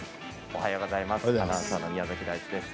おはようございます。